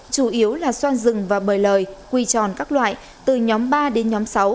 chủ yếu là xoan rừng và bời lời quy tròn các loại từ nhóm ba đến nhóm sáu